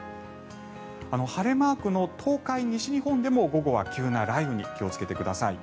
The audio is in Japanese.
晴れマークの東海、西日本でも午後は急な雷雨に気をつけてください。